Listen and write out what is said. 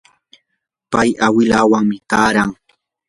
pay awilanwanmi taaran.